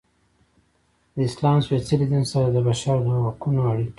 د اسلام سپیڅلي دین سره د بشر د حقونو اړیکې.